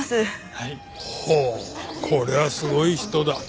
ほうこれはすごい人だ。